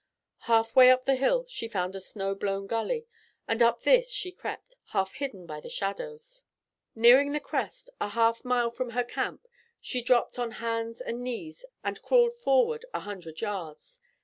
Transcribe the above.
Half way up the hill she found a snow blown gully, and up this she crept, half hidden by the shadows. Nearing the crest, a half mile from her camp, she dropped on hands and knees and crawled forward a hundred yards.